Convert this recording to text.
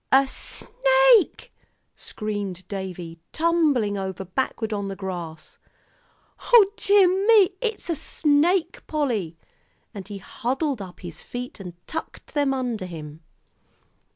"A snake!" screamed Davie, tumbling over backward on the grass. "O dear me, it's a snake, Polly!" and he huddled up his feet and tucked them under him.